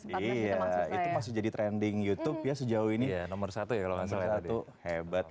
sebagian masih jadi trending youtube ya sejauh ini nomor satu ya kalau nggak salah itu hebat